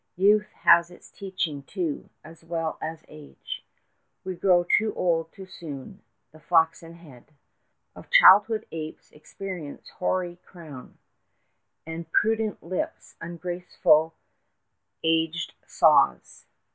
Youth has its teaching, too, as well as age: We grow too old too soon; the flaxen head 40 Of childhood apes experience' hoary crown, And prudent lisps ungraceful aged saws.